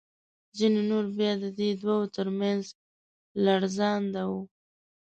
ځینې نور بیا د دې دوو تر منځ لړزانده وو.